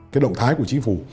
cái động thái của chính phủ